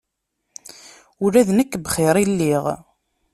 Ula d nekk bxir i lliɣ.